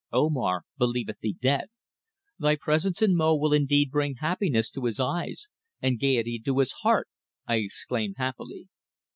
"Omar believeth thee dead. Thy presence in Mo will indeed bring happiness to his eyes, and gaiety to his heart," I exclaimed happily.